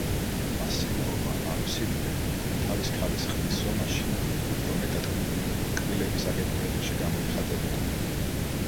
მასიურობა ანუ სიდიდე, თავის ქალისა ყბის ზომაში, უფრო მეტად კი კბილების აგებულებაში გამოიხატებოდა.